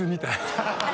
アハハハ